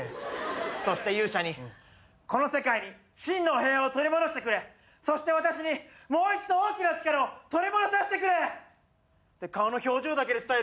そして勇者に「この世界に真の平和を取り戻してくれ」「そして私にもう一度大きな力を取り戻させてくれ」って顔の表情だけで伝えるんだ。